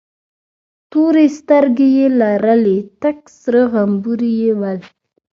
تورې سترگې يې لرلې، تک سره غمبوري یې ول.